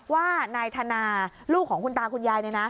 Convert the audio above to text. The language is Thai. ว่านายธนาลูกของคุณตาคุณยาย